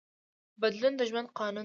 بدلون د ژوند قانون دی.